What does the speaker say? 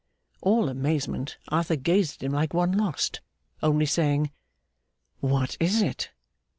All amazement, Arthur gazed at him like one lost, only saying, 'What is it?